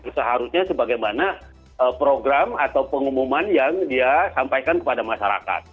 seharusnya sebagaimana program atau pengumuman yang dia sampaikan kepada masyarakat